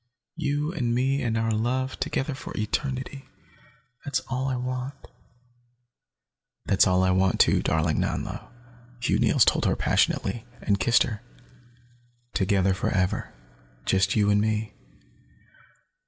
You and me, and our love, together for eternity. That's all I want." "That's all I want, too, darling Nanlo," Hugh Neils told her passionately, and kissed her. "Together, forever. Just you and me."